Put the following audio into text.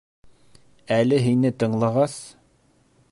Әле һине тыңлағас...